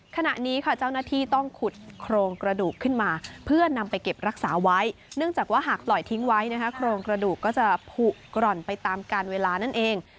ขณะนี้ค่ะเจ้าหน้าที่ต้องขุดโครงกระดูกขึ้นมาเพื่อนำไปเก็บรักษาไว้เนื่องจากว่าหากปล่อยทิ้งไว้นะคะโครงกระดูกก็จะผูกร่อนไปตามการเวลานั่นเอง